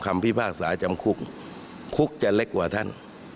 คุกจะเล็กกว่าท่าน